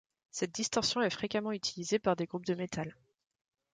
Cette distorsion est fréquemment utilisée par des groupes de metal.